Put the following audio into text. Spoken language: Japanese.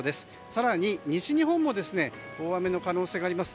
更に西日本も大雨の可能性があります。